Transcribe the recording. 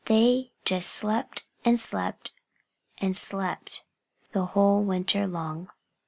They just slept and slept and slept, the whole winter long.